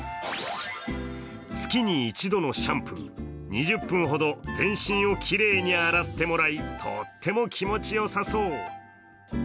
月に一度のシャンプー、２０分ほど全身をきれいに洗ってもらいとっても気持ちよさそう。